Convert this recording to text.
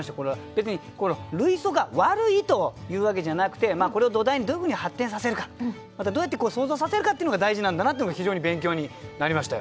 別に類想が悪いというわけじゃなくてこれを土台にどういうふうに発展させるかまたどうやって想像させるかっていうのが大事なんだなっていうのが非常に勉強になりましたよ。